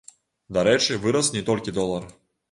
Дарэчы, вырас не толькі долар.